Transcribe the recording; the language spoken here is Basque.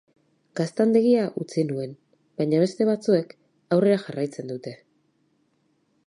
Gaztandegia utzi nuen, baina beste batzuek aurrera jarraitzen dute.